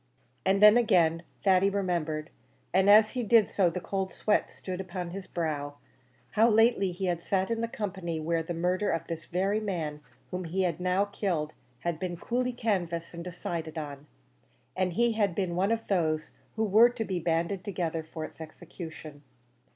And then again, Thady remembered and as he did so the cold sweat stood upon his brow how lately he had sat in company where the murder of this very man whom now he had killed had been coolly canvassed and decided on, and he had been one of those who were to be banded together for its execution.